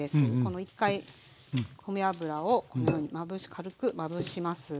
一回米油をこのように軽くまぶします。